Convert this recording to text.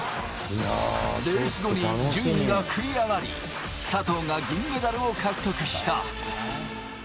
レース後に順位が繰り上がり、佐藤が銀メダルを獲得した。